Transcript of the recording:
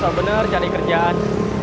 susah bener cari kerjaan